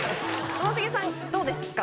ともしげさんどうですか？